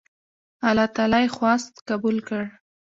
الله تعالی یې خواست قبول کړ.